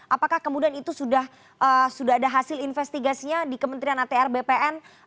apakah kemudian itu sudah ada hasil investigasinya di kementerian atr bpn